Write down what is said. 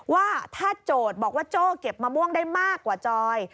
ว่าถ้าโจทย์บอกว่าโจ้เก็บมะม่วงได้มากกว่าจอย